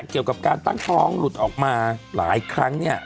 เกี่ยวกับการตั้งท้องหลุดออกมาหลายครั้งเนี่ย